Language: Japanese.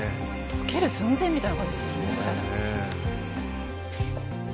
溶ける寸前みたいな感じですよね。